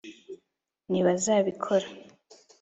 ntibazabikora